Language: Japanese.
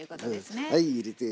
はい入れて。